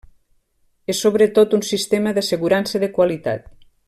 És sobretot un sistema d'assegurança de qualitat.